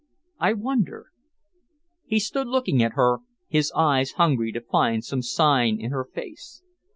I wonder " He stood looking at her, his eyes hungry to find some sign in her face.